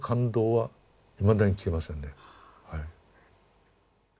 はい。